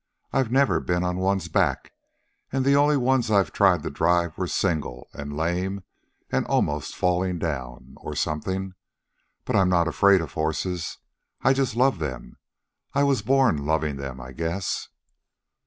"I've never been on one's back, and the only ones I've tried to drive were single, and lame, or almost falling down, or something. But I'm not afraid of horses. I just love them. I was born loving them, I guess."